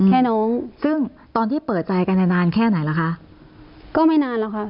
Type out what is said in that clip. น้องซึ่งตอนที่เปิดใจกันเนี่ยนานแค่ไหนล่ะคะก็ไม่นานแล้วค่ะ